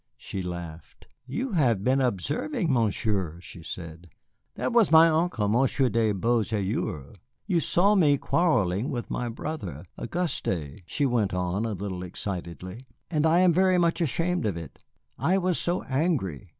She laughed. "You have been observing, Monsieur," she said. "That was my uncle, Monsieur de Beauséjour. You saw me quarrelling with my brother, Auguste," she went on a little excitedly. "Oh, I am very much ashamed of it. I was so angry.